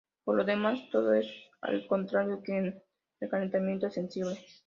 Por lo demás todo es al contrario que en el calentamiento sensible.